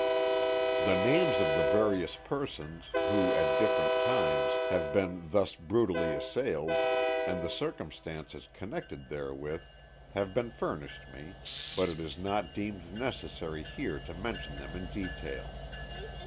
The names of the various persons, who, at different times, have been thus brutally assailed, and the circumstances connected therewith, have been furnished me, but it is not deemed necessary here to mention them in detail.